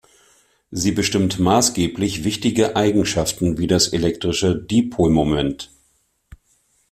Sie bestimmt maßgeblich wichtige Eigenschaften wie das elektrische Dipolmoment.